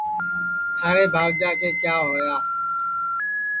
تھارے بھاوجا کے کیا ہویا